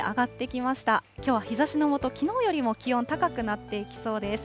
きょうは日ざしの下、きのうよりも気温、高くなっていきそうです。